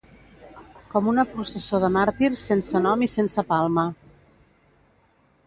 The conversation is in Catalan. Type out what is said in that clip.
Com una processó de màrtirs sense nom i sense palma